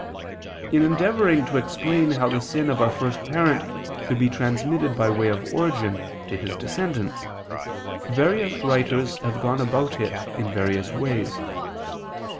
] In endeavoring to explain how the sin of our first parent could be transmitted by way of origin to his descendants, various writers have gone about it in various ways.